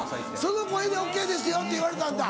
その声でＯＫですよって言われたんだ。